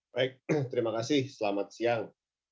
baik terima kasih selamat siang